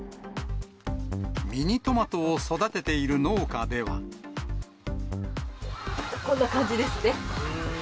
ミニトマトを育てている農家こんな感じですね。